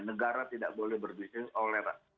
negara tidak boleh berbisnis toleran